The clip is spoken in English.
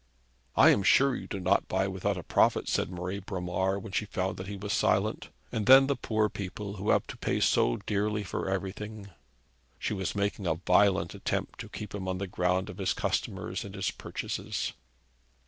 'I am sure you do not buy without a profit,' said Marie Bromar, when she found that he was silent. 'And then the poor people, who have to pay so dear for everything!' She was making a violent attempt to keep him on the ground of his customers and his purchases.